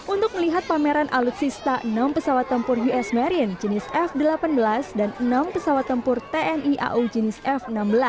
untuk melihat pameran alutsista enam pesawat tempur us marine jenis f delapan belas dan enam pesawat tempur tni au jenis f enam belas